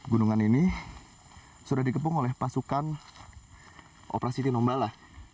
gunungan ini sudah dikepung oleh pasukan operasi tinombala